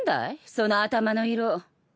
その頭の色。